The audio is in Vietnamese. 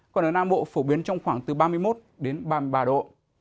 còn ở nam bộ phổ biến trong khoảng từ ba mươi một đến ba mươi ba độ